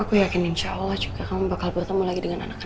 aku yakin insya allah juga kamu bakal bertemu lagi dengan anak anak